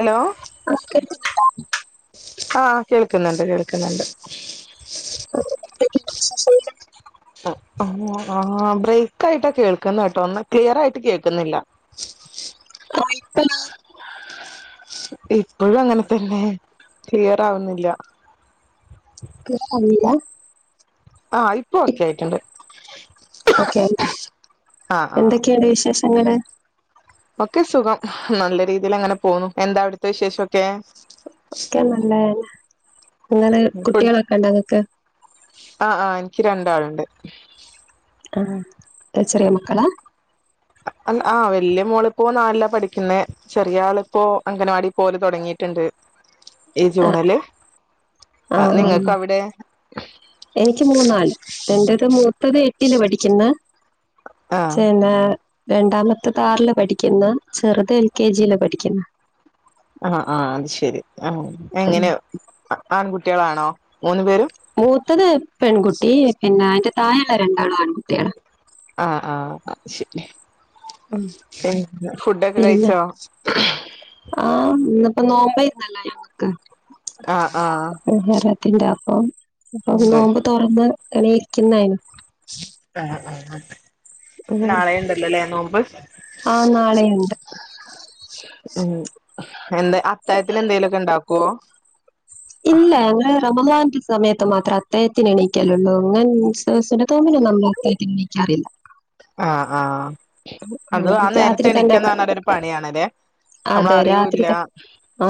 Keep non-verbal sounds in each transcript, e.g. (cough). Hello ആഹ് കേൾക്കുന്നുണ്ട് ആഹ് കേൾക്കുന്നുണ്ട് കേൾക്കുന്നുണ്ട് (inaudible) ആ ബ്രേക്ക് ആയിട്ടാ കേൾക്കുന്ന കേട്ടോ ഒന്നും ക്ലിയർ ആയിട്ട് കേൾക്കുന്നില്ല ആയിത്താ ഇപ്പോഴും അങ്ങനെ തന്നെ ക്ലിയർ ആവുന്നില്ല ക്ലിയർ ആവുന്നില്ലാ ആഹ് ഇപ്പ ഒക്കെ ആയിട്ടുണ്ട് ഓക്കെന്താ ആഹ് ആഹ് എന്തൊക്കെണ്ട് വിശേഷങ്ങള് ഒക്കെ സുഖം നല്ല രീതിൽ അങ്ങനെ പോന്നു എന്താ അവിടത്തെ വിശേഷം ഒക്കെ ഒക്കെ നല്ലതന്നെ ഇങ്ങനെ ഫുഡ് കുട്ടികളൊക്കെ ഇണ്ടോങ്ങക്ക് ക്ക് രണ്ടാള്ണ്ട് ആ ച്ചെറിയ മക്കളാ ആഹ് വല്യ മോളിപ്പോ നാലിലാ പഠിക്കുന്ന ചെറിയ ആളിപ്പോ അംഗൻവാടി പോല തുടങ്ങിയിട്ടുണ്ട് ഈ ആഹ് ജൂണില് ആഹ് നിങ്ങൾക്ക് അവിടെ എനിക്ക് മൂന്നാള് എന്റേത് മൂ മുത്തത് എട്ടില് പഠിക്കുന്ന ആഹ് ച്ചെ പിന്നെ രണ്ടാമത്തെത് ആറില് പഠിക്കുന്ന് ചെറുത് എൽ കെ ജി യില് പഠിക്കുന്ന് ആ ആ അത് ശെരി ആ എങ്ങനെയ ആൺകുട്ടികളാണോ മൂന്നു പേരും മൂത്തത് പെൺകുട്ടി പിന്നെ അയിന്റെ തായെള്ള രണ്ടാളും ആൺകുട്ടികള ആ ആ ശരി പിന്നെ ഫുഡൊക്കെ പിന്നെ കഴിച്ചോ നോമ്പായിരൊന്നല്ലോ ഞങ്ങക്ക് ആഹ് ആഹ് മുഹറത്തിന്റെ അപ്പം അപ്പൊ അതെ നോമ്പ് തുറന്ന് ഇങ്ങനെ ഇരിക്കുന്നായിന് ആഹ് ആഹ് ആഹ് നാളെ ഉണ്ടല്ലല്ലേ നോമ്പ് ആ നാളെയുണ്ട് ഉം എന്താ അത്തായത്തിന് എന്തെലുമൊക്കെ ഉണ്ടാക്കുവോ ഇല്ല ഞങ്ങള് റമളാൻ സമയത്ത് മാത്രം അദ്ദേഹത്തിന് എണീക്കലള്ളൂ അങ്ങൻ തോന്നിന നമ്മൾ അത്തിയത്തിന് എണീക്കാറില്ല ആഹ് ആഹ് അത് ഉം ആ നേരത്തെ രാത്രി എണീക്കാന്ന് ത്തണ്ടാക്ക പറഞ്ഞാല് ഒരു പണിയാണല്ലേ നമ്മള് അതെ രാത്രി അറിയൂല്ല ത ആ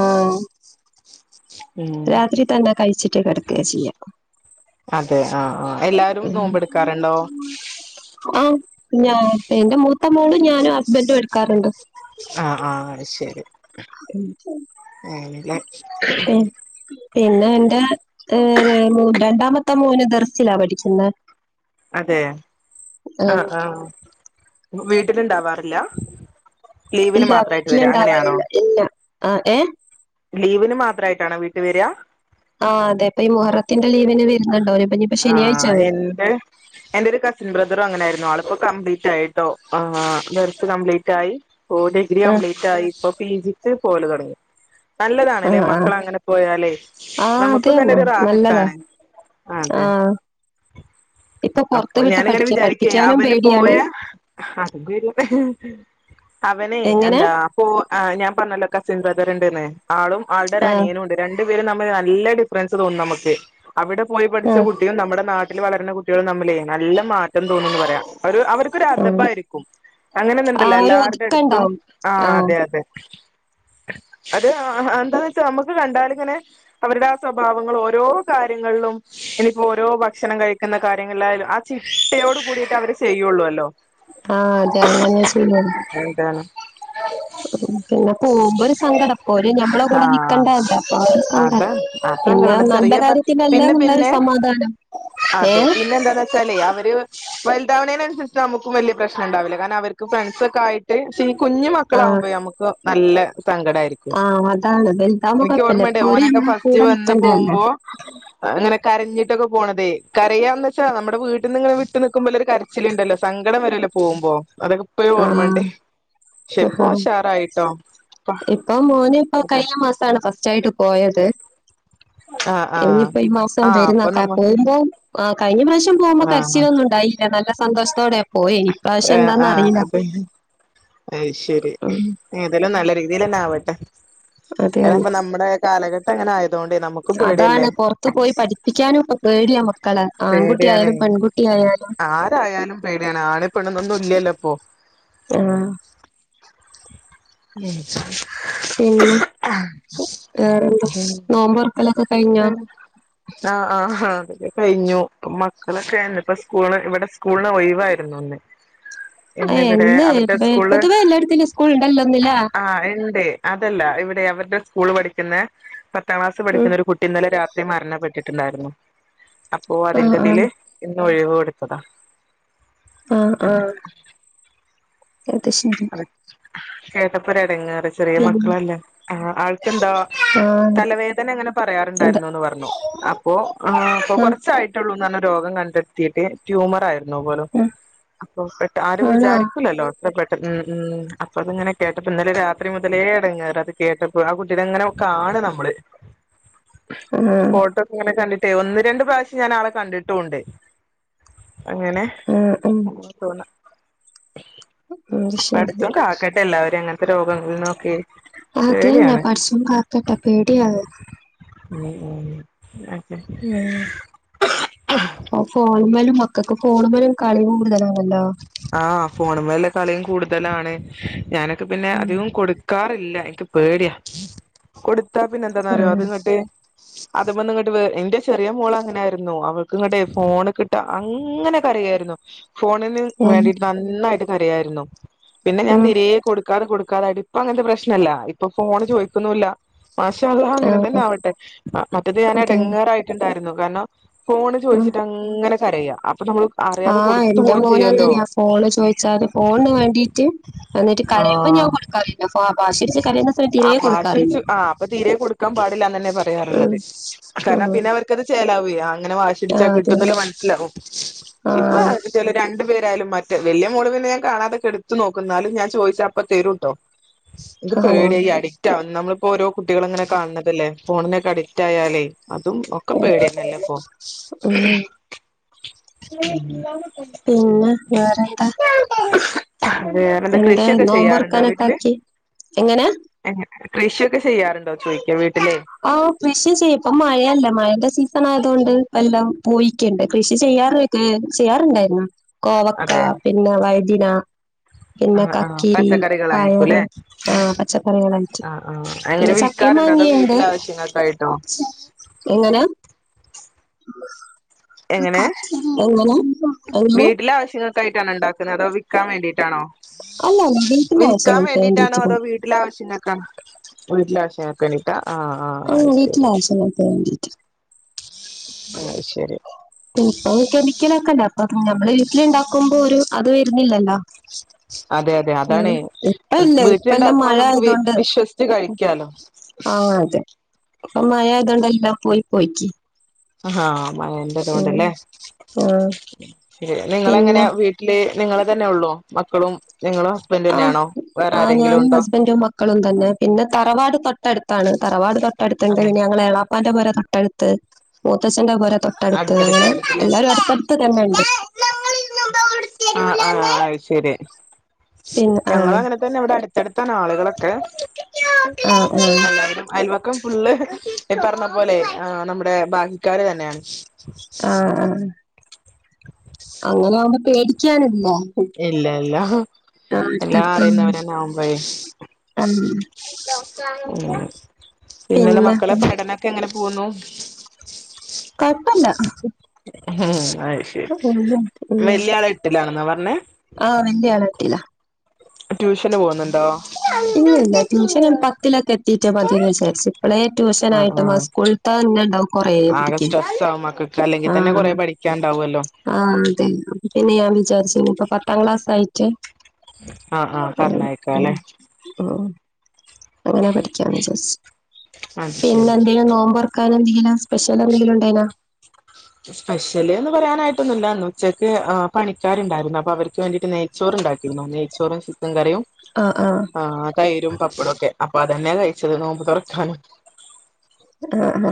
ഉം രാത്രിതന്ത കഴിച്ചിട്ട് കിടക്കുക ചെയ്യ അതെ ആഹ് ആഹ് എല്ലാരും നോമ്പെടുക്കാറുണ്ടോ ആം ഞാൻ എന്റെ മൂത്ത മോളും ഞാനും ഹസ്ബൻറും എടുക്കാറുണ്ട് ആ ആ ശരി ഉം. അങ്ങനല്ലേ പി- പിന്നെ എന്റെ ഏ രണ്ടാമത്തെ മോന് ദെർസിലാ പഠിക്കുന്നെ അതെ ആ ആ വീട്ടിലിണ്ടാവാറില്ല ഇല്ല വീട്ടിലുണ്ടാവാറില്ല ഇല്ല ആ ഏ ലീവിന് മാത്രയിട്ടാണോ വീട്ടു വര ആഹ് അതെപ്പ ഈ മുഹറത്തിന് ആ വരും. എന്റെ എന്റെ ഒരു കസിൻ ബ്രദറും അങ്ങനൊയിരുന്നു കംപ്ലീറ്റ് ആയിട്ടോ ആ ദർസ് കംപ്ലീറ്റ് ആയി ഡിഗ്രി ആഹ്. കംപ്ലീറ്റ് ആയി ഇപ്പൊ പി ജി അതെ പോല തുടങ്ങി നല്ലതാണല്ലേ ആഹ് ആഹ്. മക്കള അങ്ങനെ പോയാലേ അത് നമുക്കും തന്നെ ഒരു നല്ലതാ. റാഹത്താണ് അതെ ആ ഇപ്പൊ പുറത്ത് അപ്പൊ വിട്ട് ഞാാനിങ്ങനെ പഠിക്ക വിചാരിക്ക പഠിപ്പിക്കാനും അവനെ പേടിയാണ്. പോയ അ അവനെ എങ്ങനെ? എന്താ അപ്പോ ഞാൻ പറഞ്ഞല്ലോ കസിൻ ബ്രദർണ്ട്ന്നേ ആളും ആൾടെ ഒരു ആഹ് അനിയനും ഉണ്ട് രണ്ടു പേരും തമ്മിൽ നല്ല ഡിഫറൻസ് തോന്നും നമുക്ക് അവിടെ പോയി പഠിച്ച ആഹ് കുട്ടികളും നമ്മുടെ നാട്ടിൽ വളരുന്ന കുട്ടികളും തമ്മില് നല്ല മാറ്റം തോന്നുന്നുന്ന് പറയ ഒരു അവർക്കൊരു ഒരു ആഹ്. അഥബായിരിക്കും അങ്ങനെയൊന്ന ആ ഇണ്ടല്ലോ ഒരു എല്ലാരുടെ അടുത്തും ഒതുക്കണ്ടാവും. ആ ആഹ്. അതെ അതെ അത് അ എന്താന്ന് വെച്ചാ നമ്മുക്ക് കണ്ടാലി ങ്ങനെ അവരുടെ സ്വഭാവങ്ങൾ ഓരോ കാര്യങ്ങളിലും ഇനിയിപ്പോ ഓരോ ഭക്ഷണം കഴിക്കുന്ന കാര്യങ്ങളായാലും ആ ചിട്ടയോട് കൂടിയിട്ട് അവര് ചെയ്യുള്ളൂല്ലോ ആഹ അതെ അങ്ങനെ ചെയ്യ എന്താണ് (inaudible) പിന്നെ പോകുമ്പോ ഒരു സങ്കടം ഓര് ഞമ്മള കൂടെ ആഹ് നിക്കണ്ടല്ലേ ആ ഒരു അതാ സങ്കടം പിന്നെ ആ അതങ്ങനെയാണ് നല്ല ചെറിയ കാര്യത്തില്ലേ പിന്നെ നല്ലരു പിന്നെ സമാധാനം അതെ ഏഹ്? പിന്നെ എന്താന്ന വെച്ചാലേ അവര് ഇതാവ്ണേന് അന്സര്ച്ച്ട്ടാ അമ്മക്കും വല്ല്യാ പ്രശ്നണ്ടാവില്ല കാരണം അവര്ക്കും ഫ്രണ്ട്സൊക്കായിട്ട് ടീ കുഞ്ഞ് ആഹ്. മക്കളാവുമ്പയെ അമ്മക്ക് നല്ലെ സങ്കടായിരിക്കും. ആഹ് അതാണ്. വലുതാവുമ്പോ ഇന്ക്ക് കുഴപ്പല്ല. ഓർമ്മണ്ട് ഇപ്പൊ ഓര് ഓനൊക്കെ ഞമ്മളെ ഫസ്റ്റ് കൂടെ വന്ന് നിക്കണ്ടതല്ല. പോവുമ്പോ അങ്ങനെ കരഞ്ഞിട്ടൊക്കെ പോണതേ കറയാന്ന് വെച്ചാ നമ്മ വീട്ട നിന്ന് ഇങ്ങെ വി് നിൽക്കുമ്പോ കരച്ചില്ണ്ടല്ലോ സങ്കടം വരൊല്ലോ പോവുമ്പോ അതൊക്ക ഇപ്പയും ഓർമ്മണ്ട് ആഹ് പക്ഷെപ്പോഷാറായിട്ടോ ഇപ്പൊ മോന ഇപ്പോൊ കഴിഞ്ഞ മാസാണ് ഫസ്റ്റ് ആയിട്ട് പോയത് ആ ആ ഇനിയിപ്പോ ഈ മാസം ആ വരുന്ന അപ്പൊ നമുക്ക് പോകുമ്പോ ആ കഴിഞ്ഞ പ്രാവശ്യം പോകുമ്പോ ആ കരച്ചില് ഒന്നും ഉണ്ടായി ല്ല നല്ല സന്തോഷത്തോടെയാ പോയി ഇ പ്രാവശ്യം എന്താന്ന അറിയില്ല അ ഉം ശരിതെല്ലാം നല്ല രീ ഇലന്നെ ആവട്ടെ അതെ കപ്പ നമ്മുടെ കാലഘട്ടം അങ്ങനെ ആയതോൊണ്ട് അതാണ് പൊറത്ത് പോയി പഠിപ്പിക്കാനും ഇപ്പ പേടിയാ മക്കളെ പേടിയാണ് ആൺകുട്ടിയായാലും പെൺകുട്ടിയായാ ആരായാലും പേടിയാണ് ആണ പെണ്ണന്ന ഒന്നും ഇല്ലല്ലോ ഇപ്പൊ ആഹ മ പിന്നെ ഏ നോമ്പർക്കലൊക്കെ കഴിഞ്ഞ ആഹ് ആ അതൊക്കെ കഴിഞ്ഞു മക്കളൊക്കെ ആരുന്നു ഇപ്പ സ്കൂൾ ഇവിടെ സ്കൂളിന് ഒയവായിരുന്നു ല് ഇന്ന് ഇവിടെ അവര്ടെ സ്കൂള് പൊതുവേ എല്ലായിടത്തിലും സ്കൂൾ ഉണ്ടല്ലോ ഇന്നില്ലേ ആഹ് ഇണ്ട് അതല്ലാ ഇവിടെ അവര് ടെ സ്കൂൾ പഠിക്ക്ന്നേ പത്താ ക്ലാസ് ഉം പഠിക്ക്ന്ന ഒരു കുട്ടി ഇന്നലെ രാത്രി മരണപ്പെട്ടിട്ട്ണ്ടാര്ന്നു അപ്പോ ആഹ് അതിന്റെതിൽ ആഹ് ഇന്ന് ഒഴിവ് കൊടുത്തതാ ആഹ് ആഹ് അത് ശരി ച കേട്ടപ്പുര അടങ്ങാറ് ചെറിയ പിന്നെ മക്കളല്ലേ എന്താ ആഹ് തലവേദന എങ്ങനെ എന്താ പറയാറുണ്ടായിരുന്നുന്ന് പറഞ്ഞു അപ്പോൊ ആ അപ്പൊ ആഹ് കൊറച്ചായിട്ടുള്ളൂ രോഗം കണ്ടെത്തിയിട്ട് ട്യൂമർ ആയിരുന്നു ഉം (unintelligible) അപ്പൊ പെട്ട ആരും ആണോ വിചാരിക്ക്ല്ലല്ലോ ഇത്ര പെ ട്ട് ഉം ഉം അപ്പ അത്ങ്ങനെ കേട്ടപ്പൊ ഇന്നലെ രാത്രി മുതലേ എടങ്ങേറാ അത് കേട്ടപ്പൊ ആഹ് കുട്ടീടെങ്ങനെ കാ ആ നമ്മള് (inaudible) ആഹ് ഫോട്ടോക്ക ഇങ്ങനെ കണ്ടിട്ടേ ഒന്ന് രണ്ട് പ്രാവശ്യം ഞാൻ ആളെ കണ്ടിട്ടുംണ്ട് അങ്ങനെ ആഹ് ഉം തോന്ന അത് ശരി പഠത്തും കാക്കട്ടെ എല്ലാവരും അങ്ങനെ രോഗങ്ങളിനൊക്കെ അത് തന്നെ പേടിയാണ് പടച്ചോൻ കാക്കട്ടെ പേടിയാണ് ഉം ഉം ങേ ഉ ഫോണ്ട്പോലും മക്കൾക്ക് ഫോണ പോലും കളി കൂടുതല അലോ ഫോണമലെ കളിയും കൂടുതലാണ് ഞാനൊക്കെ പിന്നെ ഉം അധികം കൊടുക്കാറ ഇല്ല ഇന്ക്ക് പേടിയാ കൊടുത്താ പിന്നെ എന്താന്നറിയോ ആഹ് അത്ങ്ങട്ട് അത മ ഇങ്ങോട്ട് വ എന്റെ ചെറിയ മോള അങ്ങനൊയിരുന്നു അവൾക്ക് ഇങ്ങട്ടെ ഫോൺ കിട്ടാ അങ്ങനെ ട്ടെയ്യാരുന്നു ഫോണ്ന് ഉം വാണ്ടീട്ട് നന്നായിട്ട് കരയാരുന്നു പിന്നെ ഞാൻ ഉം തീരെ കൊട് ക്കാതെ കൊട്ക്കാതായിട്ട് ഇപ്പ അങ്ങത്തെ പ്രശ്നല്ല. ഇപ്പ ഫോണ് ചോയിക്കുന്നൂല്ലാ മാഷാ അല്ലാഹ് അങ്ങനെ തന്നെ ആഹ് ആവട്ടെ മ മറ്റത് ഞാന് അതന്നെ എടങ്ങേറായിട്ട്ണ്ടാരുന്നു കാരണം ഫോണ് ഉം ചോദിച്ചിട്ട് അങ്ങനെ കരയുക അപ്പൊ നമ്മള് അറിയാതെ ആഹ് കൊടുത്തു പോ (unintelligible) ഫോണ് ചോയിച്ചാല് ഫോണ്ന് വാണ്ടീട്ട് എന്നിറ്റ് കരയുമ്പം ആഹ് ഞാൻ കൊടുക്കാറില്ല ഫാ വാശിട്ച്ച് കരയുന്ന സമയത്ത് തിരെ കൊടുക്കാറില്ല പാടില്ലാന്നന്നെ ഉം പറയാറ്ള്ളത് കാരണം ഉം പിന്നെ അവർക്കത് ചേ ാവ അങ്ങനെ വാശിടിച്ചാ ആഹ് കിട്ട അതെ മനസിലാവും ഇപ്പ ആഹ് രണ്ടു പേരാലും മറ്റ വലിയ മോള് പിന്നെ ഞാൻ കാണതൊക്കെ എടുത്ത് നോക്കുന്നാലും ഞാൻ ചോദിച്ച അപ്പം തരും ട്ടോ എനിക്ക് ആണോ പേടിയ അഡിക്റ്റ് ആവ നമ്മളിപ്പോ ഓരോ കുട്ടികൾ അങ്ങനെ കാണതല്ലേ ഫോണിനൊക്കെ അഡിക്റ്റ് ആയാലേ അതും ഒക്കെ പേടിന്നലെപ്പോ ഉം പിന്നെ വേറെന്താ അതെ എന്ത ഉണ്ട് കൃഷിയൊക്കെ ചെയ്യാറുണ്ടോ നോമ്പൊറക്കാനൊക്കെ വീട്ടില് ആക്കി എങ്ങനെ കൃഷിയൊക്കെ ചെയ്യാറുണ്ടോ ചോദിക്ക വീട്ടിൽ ആ് കൃഷി ചെയ്യും ഇപ്പ മഴയെല്ലെ മഴയുടെ സീസൺ ആയതുകൊണ്ട് എല്ലാം പോയി ഒക്കെയണ്ട് കൃഷി ചെയ്യാറൊക്കെ ചെയ്യാറുണ്ടായിരുന്നു കോവക്ക അതെ പിന്നെ വൈദിന പിന്നെ ആഹ് ആഹ് കക്കിരി പയറ് പച്ചക്കറികളായിരിക്കുംല്ലേ ആ പച്ചക്കറികളായിട്ട് ആഹ് ആഹ് അങ്ങനെ പിന്നെ ച ചക്ക വിൽക്കാറുണ്ടോ അതോ മാങ്ങിയുണ്ട് വീട്ടിലെ ആവശ്യങ്ങൾക്കായിട്ടോ എങ്ങനാ എങ്ങനെ എങ്ങിനെ എങ്ങിനെ കഴിക്കാനുണ്ടാകുന്ന അതോ വിൽക്കാൻവേണ്ടിയിട്ടാണോ അല്ല അല്ല വീട്ടിലെ വിൽക്കാൻ ആവശ്യങ്ങൾക്ക് വേണ്ടിട്ടാണോ വേണ്ടിയിട്ട് അതോ വീട്ടിലാവശ്യങ്ങൾക്കണോന്നോ വീട്ടില ആാവശ്യം ചക്കണിട്ട (unintelligible) അ വീട്ടിലാവശ്യങ്ങൾക്ക് വേണ്ടീട്ട് അ ശരി പിന്ന ഇപ്പൊ കെമിക്കലൊക്കെ െല്ല അപ്പൊ നമ്മെ വീട്ടില ഉണ്ടാക്കുമ്പോ ഒരു അത് വരുന്നില്ലല്ലോ അതെ അതെ അതാണ്േ ഉം ഇപ്പ ഇല്ല ഇപ്പെല്ലാം വീട്ടിലുണ്ടാക്കുമ്പോൾ മഴ നമുക്ക് ആയതോണ്ട് വിശ്വസിിച്ച് കഴിക്കാലോ ആ അതെ അപ്പൊ മഴയത്തുകൊണ്ട് എല്ലാം പോയി പോയിക്ക് ആഹാ മഴൻ്റെ തോണ്ട് ഉം ലെ ആഹ് നിങ്ങളങ്ങനെ പിന്നെ വീട്ടില് നിങ്ങളെ തന്നഒള്ളോമക്കളും ആ ആ ഞാനും ഉണ്ടോ ഹസ്ബൻറും മക്കളും തന്നെ പിന്നെ തറവാട് തൊട്ട തൊട്ട്ടുത്താണ് തറവാട് തൊട്ട്ടുത്ത്ുണ്ട് പിന്നെ അങ്ങനെ ഞങ്ങളെ ഏളാപ്പാന്റെ പോരെ തൊട്ട്ടുത്ത് മൂത്തച്ഛ്ന്റെ പോര തൊട്ടടുത്ത് അങ്ങനെ അടുത്തടുത്തായിരിക്കുംല്ലേ എല്ലാരും അടുത്തടുത്ത് തന്നെുണ്ട് ആ ആ ശരി പിന്നെ ആഹ് ഞങ്ങള് അങ്ങനെ തന്നെ ഇവിടെ തൊട്ടടുത്ത്ണ് ആളുകളൊക്കെ ആഹ് ആഹ് എല്ലാവരും അയൽവക്കും ഫുള്ള് പറഞ്ഞ പോലെ നമ്മുടെ ബാക്കിക്കാാര് തന്നെയാണ് ആ ആ പേടിക്കാനില്ല ഇല്ല ഇല്ല ആഹ് എല്ലാം അടുത്തടുത്താവുമ്പോ അറിയുന്നവരന്നെ ആവു മ്പഴെ ആഹ് ഉ പിന്നലെ പിന്നെ മക്കളെ പടനൊക്കെ എങ്ങനെ പോകുന്നു കോഴപ്പല്ല ഉം അ ശരി വലിയയാള് എട്ടിലാണെന്നാ പറഞ്ഞേ ആ വലിയാള് എട്ടിലാ ട്യൂഷന് പോകുന്നുണ്ടോ ഇല്ലല്ല ട്യൂഷനും പത്തിലൊക്കെ എത്തിട്ട് മതിന്ന് വിചാരിച്ചു ഇപ്പോളെ ട്യൂഷന ആഹ് ആായിട്ട് ആ ആഹ് സ്കൂൾ ആ തന്നെ ഉണ്ടാവും ആകെ കൊറതെക്ക് സ്ട്രെസ്സ് ആവും മക്കൾക്ക് അല്ലെങ്കിൽ ആ തന്നെ കൊറെ പഠിക്കാണ്ടാവുമല്ലോ ആ അതെ അപ്പ പിന്നെ ഞാൻ വിചാരിച്ച ഇപ്പ പത്താം ക്ലാസയിട്ട് ആ ആ പറഞ്ഞയക്കാ ല്ലെ ഉം അങ്ങനെ പഠിക്കയാണ് വിചാരിച്ച് അത് പിന്നെ ശരി എന്തെിലും നോമ്പർ ആക്കാൻ എന്തെങ്കിലാ സ്പെഷ്യൽ എന്തെങ്കിലും ഉണ്ടനാ സ്പെഷ്യല് എന്ന് പറയാനായിട്ടൊന്നുമില്ല ഉച്ചക്ക് പണിക്കാരുണ്ടായിരുന്നു അപ്പൊ അവർക്ക് വേണ്ടിട്ട് നെയ്ച്ചോറ് ഉണ്ടാക്കരുന്നു നെയ്ച്ചോറും ചിക്കൻ കറിയും് ആഹ് ആഹ് തൈരും പപ്പടൊക്കെ അപ്പൊ അതന്നെയ കഴിച്ചത് നോമ്പ് തുറക്കാണ് ആ ആ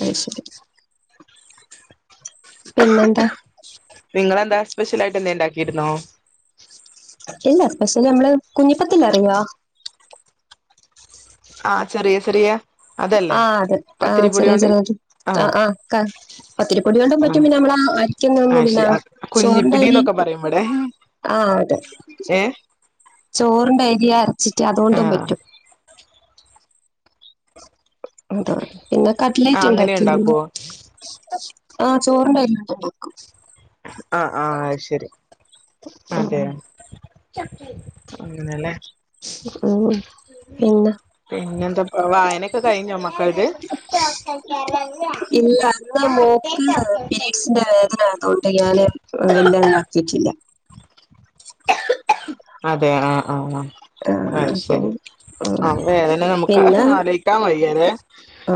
അത് ശരി പിന്നെന്താ നിങ്ങളെന്താ സ്പെഷ്യൽ ആയിട്ട് എന്ത ഉണ്ടാക്കിയിരുന്നോ ഇല്ല സ്പെഷ്യലി നമ്മള് കുഞ്ഞിപ്പത്തിൽ അറിയാ ആഹ ചെറിയ ചെറിയ അതല്ലേ ആഹ് അതെ ആഹ് പത്തിരിപ്പൊടി ചെറിയ കൊണ്ട് ചെറിയ ആഹ ആഹ് ആഹ് ക പത്തിരിപ്പൊടി കൊണ്ടും ആ പറ്റും പിന്നെ നമ്മള് ആ അരിക്കൊന്നും പിന്നെ ശരി ചോറിന്റെ അരി കുഞ്ഞിപ്പിടിന്നൊക്കെ പറയുമ്പടെ ആഹ് അതെ ഏ ചോറിന്റെ അരിയ അരച്ചിട്ട് അതുകൊണ്ടും ആഹ് പറ്റും അതോ പിന്നെ ആഹ് കട്ലേറ്റ് അങ്ങനെ ഉണ്ടാക്കി ഉണ്ടാക്കുവോ ആ ചോറണ്ട വരുന്നുും (unintelligible) ആഹ് ആഹ് അത് ശരി അതെ ഉം അങ്ങനെയല്ലേ ആഹ പിന്നെന്താ വായനൊക്കെ കഴിഞ്ഞോമ്മക്കള ഇത് ഇല്ല അന്ന് മോക്ക് പീരീഡ്സിന്റെ വേദനായതോണ്ട് ഞാന് വല്ലാതതാക്കിട്ടില്ല അതെ ആഹ ആഹ ആ ആ് അ അപ്പം ശരി ആ അതെതന്നെ നമുക്ക് ആലോചിക്കാൻ വയ്യ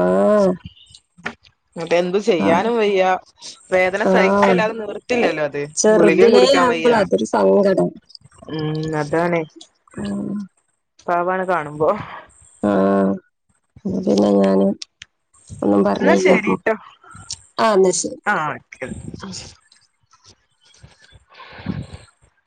ആഹ എന്നട്ട എന്തു ചെയ്യാനും വയ്യാ വേദന ആ സഹിക്കല്ലാതെ നിർത്തില്ലല്ലോ അത് ഗുളികയും കുടിക്കാൻ വയ്യ സങ്കട ഉം അതാണ് ഉം പാവാണ് കാണുമ്പോ ആഹ പിന്നെ ഞാന് ഒന്നും പറഞ്ഞില്ല ആ എന്നാ ശരി ആഹക്ക (inaudible)